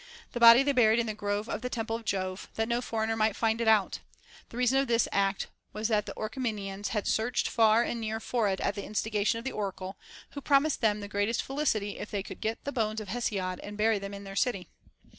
The body they buried in the grove of the temple of Jove, that no foreigner might find it out ; the reason of this act was that the Orchomenians had searched far and near for it at the instigation of the oracle, who promised them the greatest felicity if they could get the bones of Hesiod and bury them in their city.